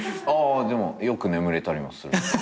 あでもよく眠れたりもする。